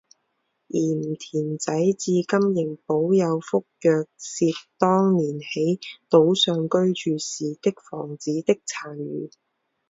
盐田仔至今仍保有福若瑟当年在岛上居住时的房子的残余。